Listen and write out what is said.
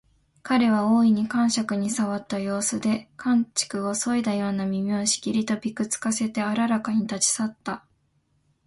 彼は大いに肝癪に障った様子で、寒竹をそいだような耳をしきりとぴく付かせてあららかに立ち去った